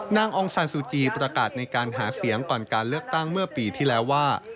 องซานซูจีประกาศในการหาเสียงก่อนการเลือกตั้งเมื่อปีที่แล้วว่า